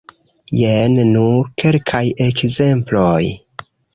Jen nur kelkaj ekzemploj.